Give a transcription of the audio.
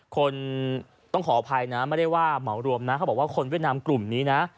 คนต้องขออภัยนะไม่ได้ว่าเหมารวมนะเขาบอกว่าคนเวียดนามกลุ่มนี้นะ